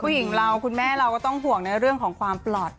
ผู้หญิงเราคุณแม่เราก็ต้องห่วงในเรื่องของความปลอดภัย